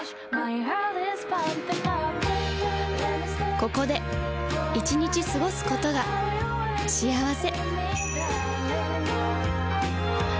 ここで１日過ごすことが幸せ